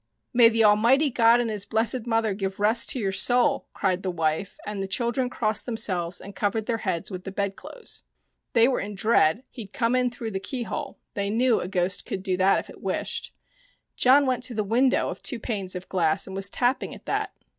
"May the Almighty God and His blessed Mother give rest to your soul !" cried the wife, and the children crossed themselves and covered their heads with the bed John Connors and the Fairies 13 clothes. They were in dread he'd come in through the keyhole ; they knew a ghost could do that if it wished. John went to the window of two panes of glass and was tapping at that.